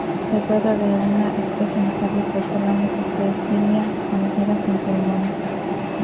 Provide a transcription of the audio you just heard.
Se trata de una especie notable por ser la única cecilia conocida sin pulmones.